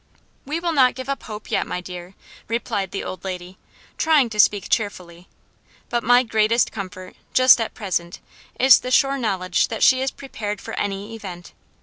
"We will not give up hope yet, my dear," replied the old lady, trying to speak cheerfully; "but my greatest comfort, just at present, is the sure knowledge that she is prepared for any event.